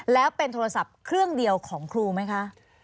แล้วเป็นโทรศัพท์เครื่องเดียวของครูไหมคะ